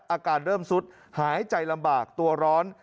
อาการเริ่มสุดหายใจลำบากตัวร้อน